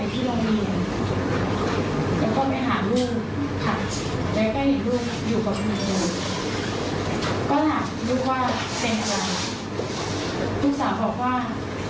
จะโตปกวังไว้ความทรมานก